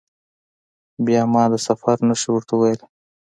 بیا ما د سفر نښې ورته وویلي.